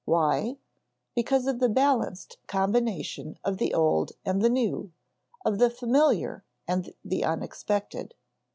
Why? Because of the balanced combination of the old and the new, of the familiar and the unexpected.